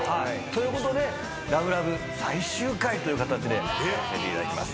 ということで『ＬＯＶＥＬＯＶＥ』最終回という形でやらせていただきます。